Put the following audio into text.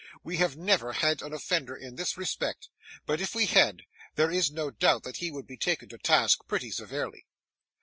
We have never had an offender in this respect; but if we had, there is no doubt that he would be taken to task pretty severely.